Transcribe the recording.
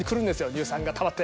乳酸がたまって。